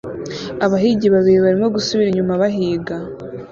Abahigi babiri barimo gusubira inyuma bahiga